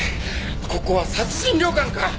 ここは殺人旅館か！？